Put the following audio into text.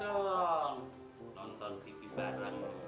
kawankan kan channel baru kenal kan